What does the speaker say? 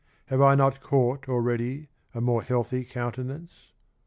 Have not I caught, Already, a more healthy countenance?"